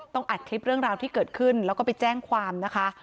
อัดคลิปเรื่องราวที่เกิดขึ้นแล้วก็ไปแจ้งความนะคะ